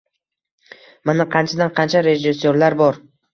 Mana, qanchadan-qancha rejissyorlar bor